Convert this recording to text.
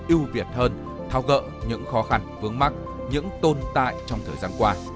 ưu việt hơn thao gỡ những khó khăn vướng mắt những tồn tại trong thời gian qua